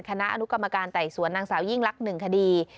คณะอนุกรรมการไต่สวนนางสาวยิ่งลักษณ์๑คดี